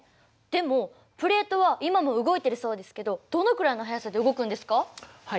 でもプレートは今も動いているそうですけどどのくらいの速さで動くんですか？